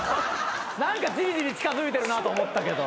何かじりじり近づいてるなと思ったけど。